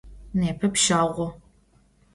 Nêpe pşağo.